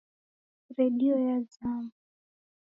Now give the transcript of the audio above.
Redio yazama.